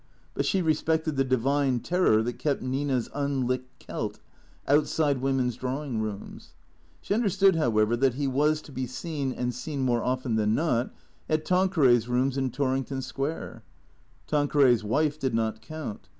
But she respected the divine terror that kept Nina's unlicked Celt outside women's drawing rooms. She understood, however, that he was to be seen and seen more often than not, at Tanqueray's rooms in Torrington Square. Tanqueray's wife did not count.